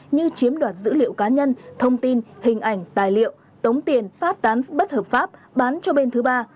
như chiếm đoạt dữ liệu cá nhân thông tin hình ảnh tài liệu tống tiền phát tán bất hợp pháp bán cho bên thứ ba